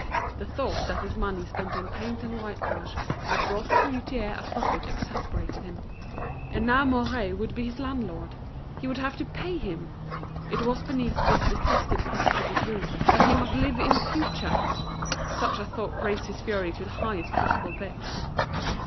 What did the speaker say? The thought that his money spent on paint and white wash had brought the fruiterer a profit exasperated him. And now Mouret would be his landlord; he would have to pay him! It was beneath this detested competitor's roof, that he must live in future! Such a thought raised his fury to the highest possible pitch.